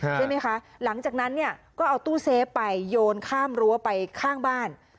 ใช่ไหมคะหลังจากนั้นเนี่ยก็เอาตู้เซฟไปโยนข้ามรั้วไปข้างบ้าน